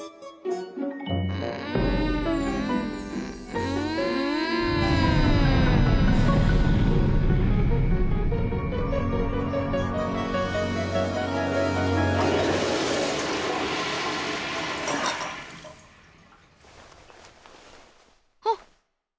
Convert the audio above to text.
うん。はっ！